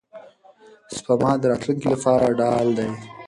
سپما د راتلونکي لپاره ډال دی.